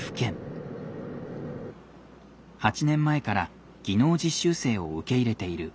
８年前から技能実習生を受け入れている縫製工場です。